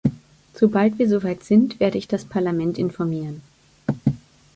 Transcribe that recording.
Sobald wir soweit sind, werde ich das Parlament informieren.